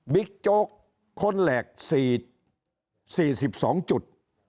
โจ๊กคนแหลก๔๒จุด